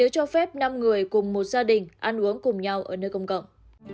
cho phép năm người cùng một gia đình ăn uống cùng nhau ở nơi công cộng